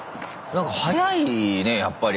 なんか速いねやっぱり。